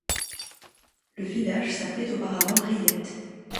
Le village s'appelait auparavant Rillette.